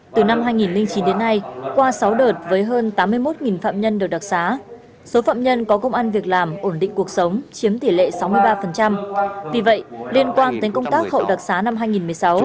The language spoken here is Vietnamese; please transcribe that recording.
từ năm hai nghìn chín đến nay qua sáu đợt với hơn tám mươi một phạm nhân được đặc xá số phạm nhân có công ăn việc làm ổn định cuộc sống chiếm tỷ lệ sáu mươi ba vì vậy liên quan tới công tác hậu đặc xá năm hai nghìn một mươi sáu